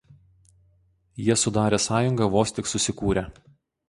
Jie sudarė sąjungą vos tik susikūrę.